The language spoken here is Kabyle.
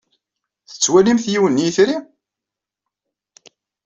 Tettwalimt yiwen n yitri?